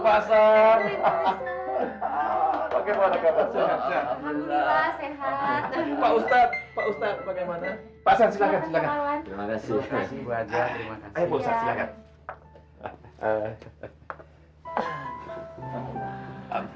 pak san hahaha pak ustadz pak ustadz bagaimana pak san silakan silakan terima kasih terima kasih